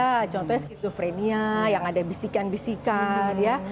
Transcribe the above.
ya contohnya skizofrenia yang ada bisikan bisikan ya